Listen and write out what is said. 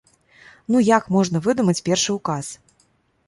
Ну як можна выдумаць першы указ?